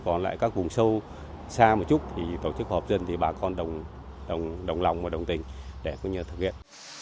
còn các vùng sâu xa một chút tổ chức hợp dân bà con đồng lòng và đồng tình để có nhờ thực hiện